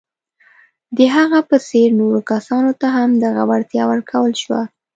د هغه په څېر نورو کسانو ته هم دغه وړتیا ورکول شوه.